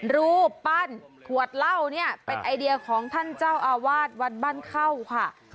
รูปปั้นขวดเหล้าเนี่ยเป็นไอเดียของท่านเจ้าอาวาสวัดบ้านเข้าค่ะ